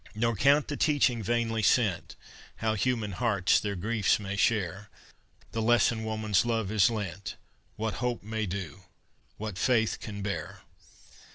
Nor count the teaching vainly sent How human hearts their griefs may share, The lesson woman's love has lent, What hope may do, what faith can bear!